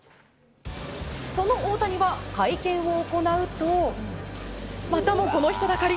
その大谷は、会見を行うとまたもこの人だかり。